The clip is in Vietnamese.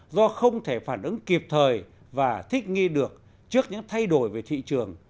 do không thể phản ứng kịp thời và thích nghi được trước những thay đổi về thị trường